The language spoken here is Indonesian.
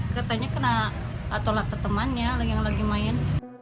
katanya kena lato lato temannya yang lagi main